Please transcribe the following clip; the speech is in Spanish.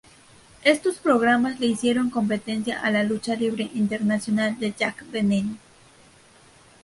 Estos programas le hicieron competencia a la "Lucha Libre Internacional" de Jack Veneno.